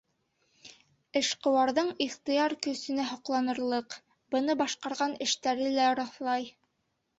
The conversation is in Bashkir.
Эшҡыуарҙың ихтыяр көсөнә һоҡланырлыҡ, быны башҡарған эштәре лә раҫлай.